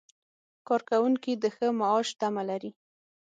کارکوونکي د ښه معاش تمه لري.